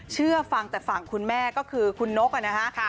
เชื่อฟังแต่ฝั่งคุณแม่ก็คือคุณนกนะฮะ